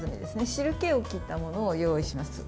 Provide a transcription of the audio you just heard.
汁けを切ったものを用意します。